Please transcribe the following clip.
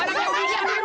eh elah berantem ya lo